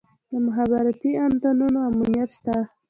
د مخابراتي انتنونو امنیت شته؟